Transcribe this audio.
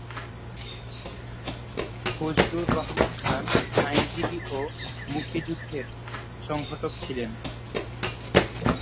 ফজলুর রহমান খান আইনজীবী ও মুক্তিযুদ্ধের সংগঠক ছিলেন।